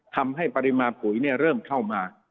ทำให้ปริมาณปุ๋ยเริ่มเข้ามา